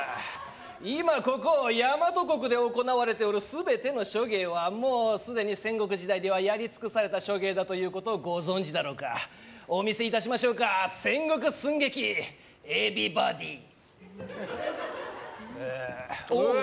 今ここ大和国で行われておる全ての諸芸はもうすでに戦国時代ではやりつくされた諸芸だということをご存じだろうかお見せいたしましょうか戦国寸劇えびばでぃおーい